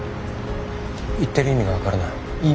言ってる意味が分からない。